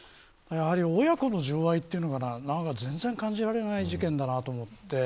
親子の情愛というものが感じられない事件だなと思って。